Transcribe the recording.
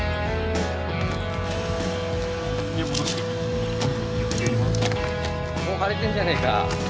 おっ貼れてんじゃねえか。